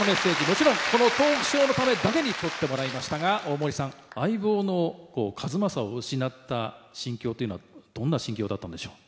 もちろんこのトークショーのためだけに撮ってもらいましたが大森さん相棒の数正を失った心境っていうのはどんな心境だったのでしょう？